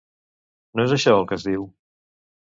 No és això, el que es diu?